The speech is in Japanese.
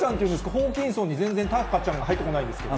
ホーキンソンに全然、たかちゃんが入ってこないんですけど。